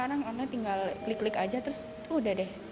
gampang sih mbak sekarang tinggal klik klik aja terus udah deh